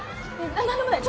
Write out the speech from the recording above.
な何でもない。